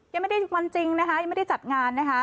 ยังไม่ได้วันจริงนะคะยังไม่ได้จัดงานนะคะ